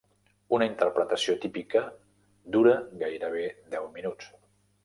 Una interpretació típica dura gairebé deu minuts.